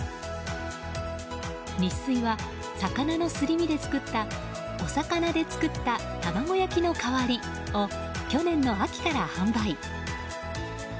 ニッスイは、魚のすり身で作ったおさかなで作ったたまご焼のかわりを去年の秋から販売。